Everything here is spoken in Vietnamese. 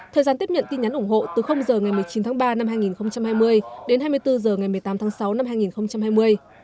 thời gian tiếp nhận tin nhắn ủng hộ từ h ngày một mươi chín tháng ba năm hai nghìn hai mươi đến hai mươi bốn h ngày một mươi tám tháng sáu năm hai nghìn hai mươi